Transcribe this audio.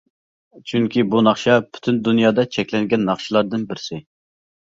چۈنكى بۇ ناخشا پۈتۈن دۇنيادا چەكلەنگەن ناخشىلاردىن بىرسى.